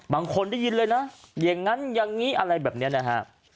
บางคนได้ยินเลยนะอย่างนั้นอย่างนี้อะไรแบบนี้นะฮะ